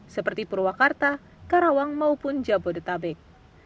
seperti purwakarta karawang maupun jabodetabek